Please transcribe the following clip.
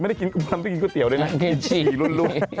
ไม่ได้กินก๋วยเตี๋ยวด้วยนะมีฉี่รุ่น